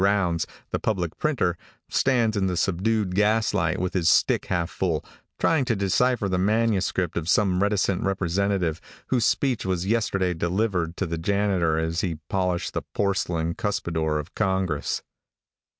Rounds, the public printer, stands in the subdued gaslight with his stick half full, trying to decipher the manuscript of some reticent representative, whose speech was yesterday delivered to the janitor as he polished the porcelain cuspidor of Congress.